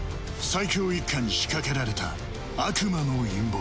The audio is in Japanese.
最強一家に仕掛けられた悪魔の陰謀